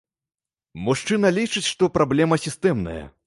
Мужчына лічыць, што праблема сістэмная.